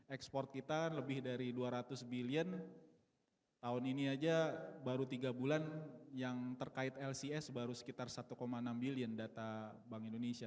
ekspor kita lebih dari dua ratus billion tahun ini aja baru tiga bulan yang terkait lcs baru sekitar satu enam bilion data bank indonesia